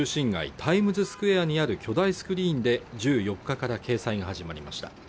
タイムズスクエアにある巨大スクリーンで１４日から掲載が始まりました